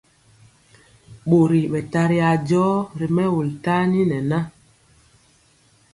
Ɓori ɓɛ tari ajɔ ri mɛwul tani nɛ na.